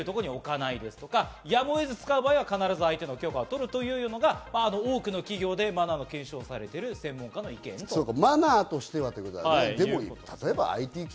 手元や見えるところに置かないとか、やむを得ず使う場合は必ず相手の許可を取るというのが多くの企業でマナーの検証をされている専門家の意見です。